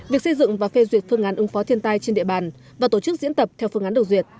việc xây dựng và phê duyệt phương án ứng phó thiên tai trên địa bàn và tổ chức diễn tập theo phương án được duyệt